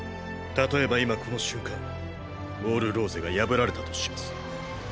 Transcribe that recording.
例えば今この瞬間ウォール・ローゼが破られたとします。